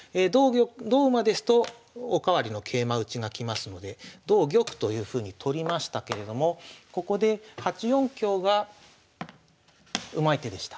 同馬ですとおかわりの桂馬打ちが来ますので同玉というふうに取りましたけれどもここで８四香がうまい手でした。